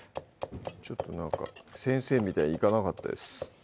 ちょっとなんか先生みたいにいかなかったです